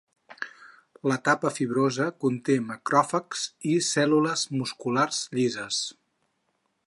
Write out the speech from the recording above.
La tapa fibrosa conté macròfags i cèl·lules musculars llises.